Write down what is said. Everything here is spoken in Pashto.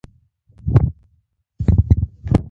ملګری له تا سره هیڅکله خیانت نه کوي